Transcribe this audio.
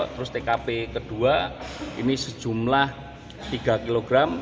terus tkp kedua ini sejumlah tiga kg